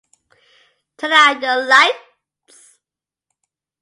Turn out your lights.